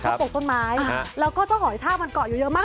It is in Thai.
ปลูกต้นไม้แล้วก็เจ้าหอยทากมันเกาะอยู่เยอะมาก